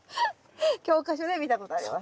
教科書で見たことあります。